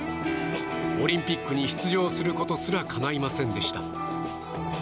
オリンピックに出場することすらかないませんでした。